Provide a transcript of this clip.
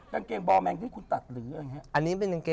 อย่างเกงบอร์แมงที่คุณตัดหรืออะไรอย่างนี้